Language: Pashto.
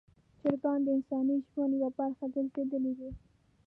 چرګان د انساني ژوند یوه برخه ګرځېدلي دي.